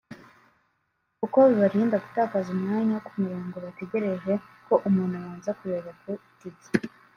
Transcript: kuko bibarinda gutakaza umwanya ku murongo bategereje ko umuntu abanza kureba ku itike